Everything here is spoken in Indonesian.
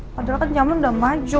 padahal kan nyaman udah maju